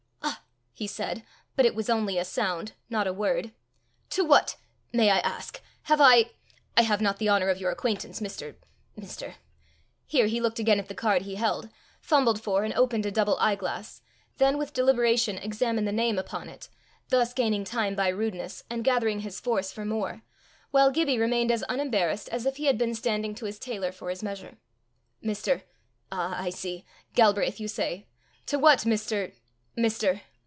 "Ah!" he said, but it was only a sound, not a word, "to what may I ask have I I have not the honour of your acquaintance, Mr. Mr. " Here he looked again at the card he held, fumbled for and opened a double eyeglass, then with deliberation examined the name upon it, thus gaining time by rudeness, and gathering his force for more, while Gibbie remained as unembarrassed as if he had been standing to his tailor for his measure. "Mr. ah, I see! Galbraith, you say. To what, Mr., Mr."